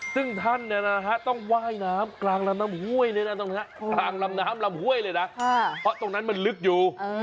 ซึ่งท่านต้องว่ายน้ำกลางลำน้ำห้วยเลยนะตรงนั้นมันลึกอยู่